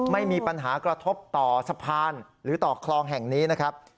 ไม่มีปัญหากระทบต่อสะพานหรือต่อคลองแห่งนี้นะครับ